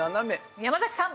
山崎さん。